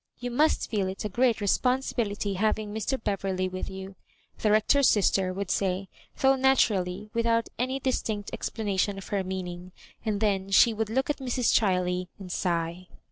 Yoa must feel it a great responsibility having Mr. Beverley with you," the Rector's sister would say, though naturally without any distinct ex planation of her meaning; and then she would look at Mrs. Chiley and sigh.